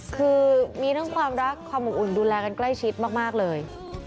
คือมีทั้งความรักความอบอุ่นดูแลกันใกล้ชิดมากเลย